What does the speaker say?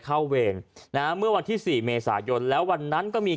เวรนะฮะเมื่อวันที่สี่เมษายนแล้ววันนั้นก็มี